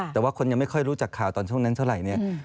แต่ว่าคนยังไม่ค่อยรู้จักข่าวตอนช่วงนั้นเท่าไหร่เนี่ย